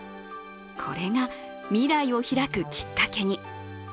これが、未来を開くきっかけに。